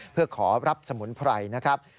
เพื่อขอรับสมุนไพรนะครับ